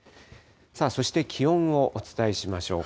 そして気温をお伝えしましょう。